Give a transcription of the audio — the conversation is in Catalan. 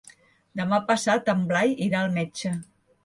Demà passat en Blai irà al metge.